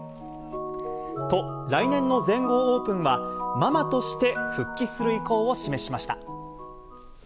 と、来年の全豪オープンは、ママとして復帰する意向を示しました。